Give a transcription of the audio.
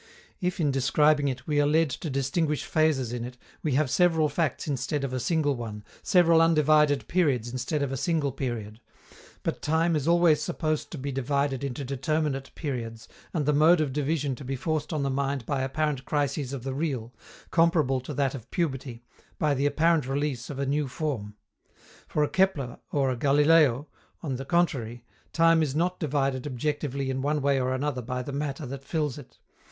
If, in describing it, we are led to distinguish phases in it, we have several facts instead of a single one, several undivided periods instead of a single period; but time is always supposed to be divided into determinate periods, and the mode of division to be forced on the mind by apparent crises of the real, comparable to that of puberty, by the apparent release of a new form. For a Kepler or a Galileo, on the contrary, time is not divided objectively in one way or another by the matter that fills it.